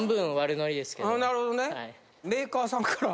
なるほどね。